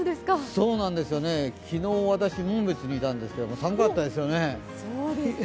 そうなんですよね、昨日私、紋別にいたんですけど寒かったですよね。